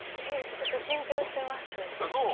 ちょっと緊張してますそう？